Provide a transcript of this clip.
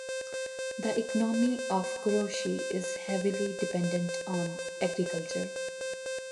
The economy of Kuroishi is heavily dependent on agriculture.